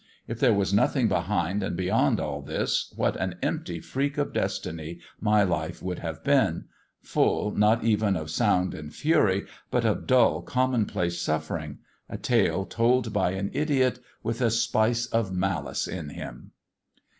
If there was nothing behind and beyond all this, what an empty freak of destiny my life would have been full, not even of sound and fury, but of dull common place suffering: a tale told by an idiot with a spice of malice in him.